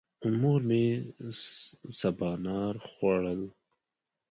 مور مې سبانار خوړل.